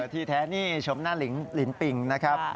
ที่แท้นี่ชมหน้าลินปิงนะครับ